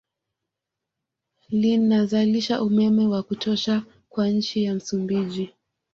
Linazalisha umeme wa kutosha kwa nchi ya Msumbiji